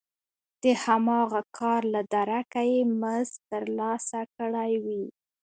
د هماغه کار له درکه یې مزد ترلاسه کړی وي